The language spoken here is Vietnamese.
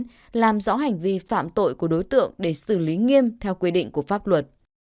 làm rõ hành vi phạm tội của đối tượng để xử lý nghiêm theo quy định của pháp luật